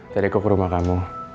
tadi aku ke rumah kamu